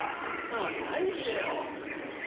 そんなわけないぜよ。